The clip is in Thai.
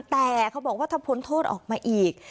แต่เขาบอกว่าถ้าพ้นโทษออกมาอีก